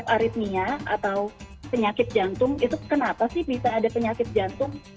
aritmia atau penyakit jantung itu kenapa sih bisa ada penyakit jantung